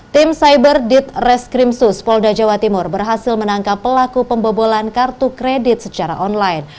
tim cyber ditreskrimsus polda jawa timur berhasil menangkap pelaku pembobolan kartu kredit secara online